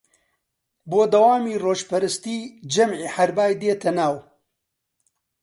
بۆ دەوامی ڕۆژپەرستی جەمعی حەربای دێتە ناو